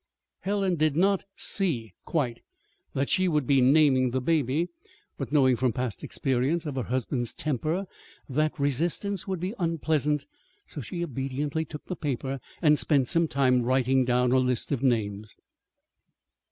Helen did not "see," quite, that she would be naming the baby; but, knowing from past experience of her husband's temper that resistance would be unpleasant, she obediently took the paper and spent some time writing down a list of names.